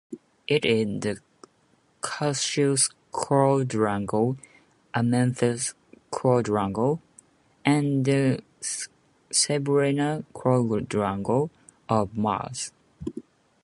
It is in the Casius quadrangle, Amenthes quadrangle, and the Cebrenia quadrangle of Mars.